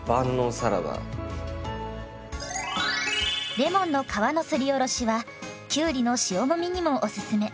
レモンの皮のすりおろしはきゅうりの塩もみにもおすすめ。